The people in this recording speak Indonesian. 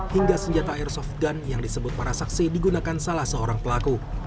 hingga senjata airsoft gun yang disebut para saksi digunakan salah seorang pelaku